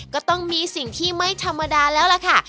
ก็ต้องมีสิ่งที่ไม่ธรรมดาแล้วล่ะค่ะ